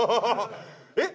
えっ？